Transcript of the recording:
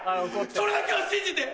それだけは信じて。